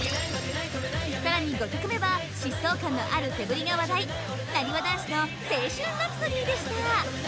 さらに５曲目は疾走感のある手ブリが話題なにわ男子の「青春ラプソディ」でした